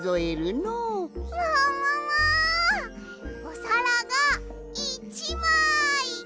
おさらが１まい。